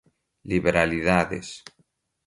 liberalidades